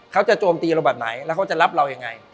เขาจะโจมตีเราแบบไหนแล้วเขาจะรับเราอย่างไร